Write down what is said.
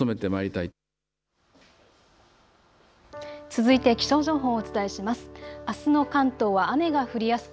続いて気象情報をお伝えします。